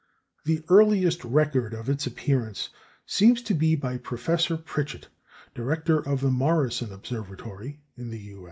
The earliest record of its appearance seems to be by Professor Pritchett, director of the Morrison Observatory (U.